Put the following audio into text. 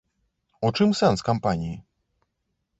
У чым сэнс кампаніі?